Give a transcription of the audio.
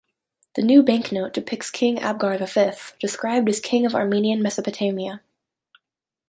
The new banknote depicts King Abgar the Fifth, described as King of Armenian Mesopotamia.